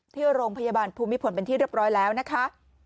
ที่โรงพยาบาลภูมิพลเป็นที่เรียบร้อยแล้วนะคะ